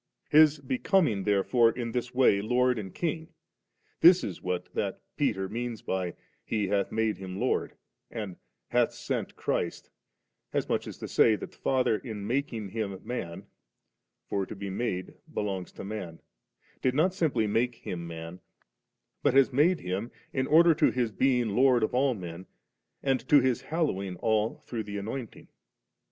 His becoming therefore in this way Lord and King, this it is that Peter means by, * He hath made Him Lord,* and *hath sent Christ;' as much as to say, Uiat the Father in making Him man (for to be made belongs to man), did not simply make Him man, but has made Him in order to His being Lord of all men, and to His hallowing all through the Anointing.